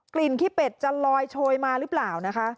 กลิ่นขี้เป็ดจะลอยโชยมารึเปล่านะคะ